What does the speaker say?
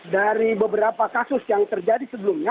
dari beberapa kasus yang terjadi sebelumnya